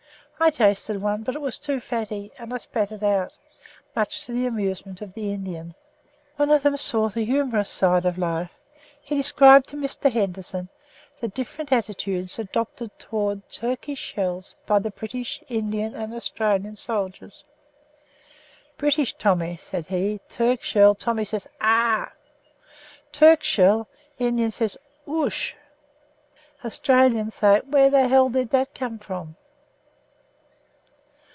I tasted one; but it was too fatty and I spat it out, much to the amusement of the Indians. One of them saw the humorous side of life. He described to Mr. Henderson the different attitudes adopted towards Turkish shells by the British, Indian and Australian soldiers. "British Tommy," said he, "Turk shell, Tommy says 'Ah!' Turk shell, Indian say 'Oosh!' Australian say 'Where the hell did that come from?'"